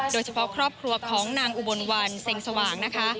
โดยเฉพาะครอบครัวของนางอุบลวันเซ็งสว่างนะคะ